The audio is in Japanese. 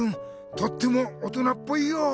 とっても大人っぽいよ。